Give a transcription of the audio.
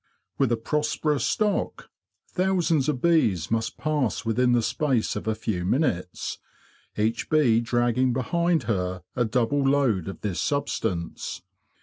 With a prosperous stock, thousands of bees must pass within the space of a few minutes, each bee dragging behind her a double load of this substance.